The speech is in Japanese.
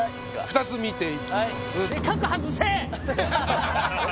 ２つみていきます